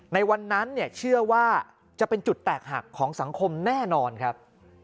ในวันนั้นเชื่อว่าจะเป็นจุดแตกหักของสังคมแน่นอนครับ